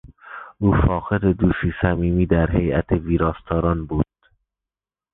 او فاقد دوستی صمیمی در هیئت ویراستاران بود.